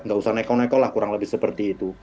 tidak usah naik naik naik kurang lebih seperti itu